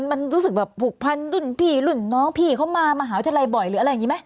มันรู้สึกแบบผูกพันรุ่นพี่รุ่นน้องพี่เขามามหาวิทยาลัยบ่อยหรืออะไรอย่างนี้ไหม